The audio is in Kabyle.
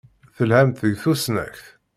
Telhamt deg tusnakt?